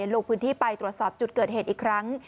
ลงพื้นที่ไปตรวจสอบจุดเกิดเหตุอีกครั้ง